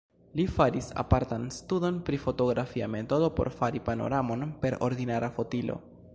Li faris apartan studon pri fotografia metodo por fari panoramon per ordinara fotilo.